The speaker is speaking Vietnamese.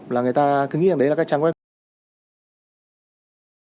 là người ta cứ nghĩ rằng đấy là các trang web